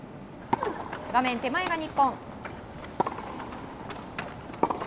画面手前が日本。